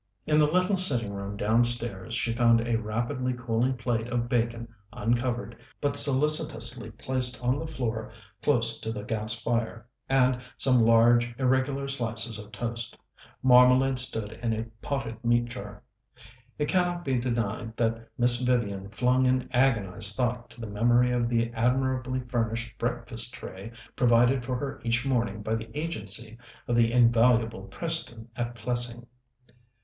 In the little sitting room downstairs she found a rapidly cooling plate of bacon, uncovered, but solicitously placed on the floor close to the gas fire, and some large, irregular slices of toast. Marmalade stood in a potted meat jar. It cannot be denied that Miss Vivian flung an agonized thought to the memory of the admirably furnished breakfast tray provided for her each morning by the agency of the invaluable Preston at Plessing.